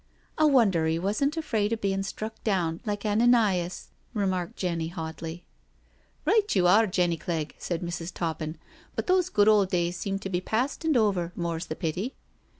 " I wonder 'e wasn't afraid of bein' struck down, like Ananias," remarked Jenny hotly. •• Right you are, Jenny Clegg," said Mrs, Toppin. But those good old days seem to be past and over, more*s the pity."